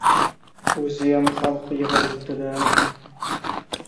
— O‘ziyam, xalq yig‘ilibdi-da.